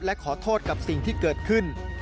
และขอโทษกับสิ่งที่เกิดขึ้น